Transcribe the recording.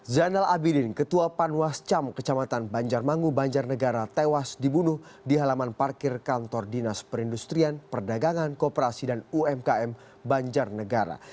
zainal abidin ketua panwascam kecamatan banjarmangu banjarnegara tewas dibunuh di halaman parkir kantor dinas perindustrian perdagangan kooperasi dan umkm banjarnegara